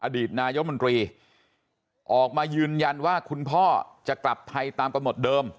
อดีตนายมนตรีออกมายืนยันว่าคุณพ่อจะกลับไทยตามกำหนดเดิม